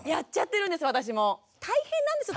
大変なんですよ